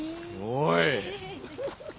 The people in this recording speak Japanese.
おい！